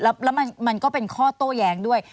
แล้วมันก็เป็นข้อโต้แย้งด้วย